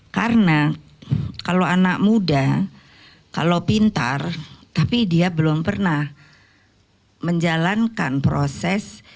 karena kalau anak muda kalau pintar tapi dia belum pernah menjalankan proses